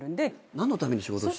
何のために仕事してる。